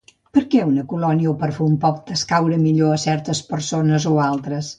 Perquè una colònia o perfum pot escaure millor a certes persones o altres?